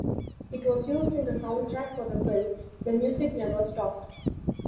It was used in the soundtrack for the film "The Music Never Stopped".